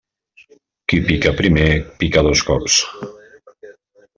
Qui pica primer, pica dos cops.